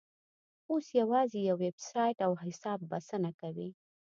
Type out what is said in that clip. اوس یوازې یو ویبسایټ او حساب بسنه کوي.